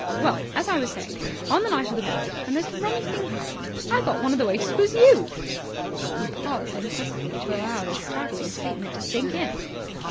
Well, as I was saying, on the night of the ball a most rummy thing happened. I thought one of the waiters was you!" He paused impressively to allow this startling statement to sink in.